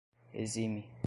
exime